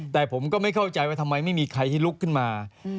แต่ผมก็ไม่เข้าใจว่าทำไมไม่มีใครที่ลุกขึ้นมา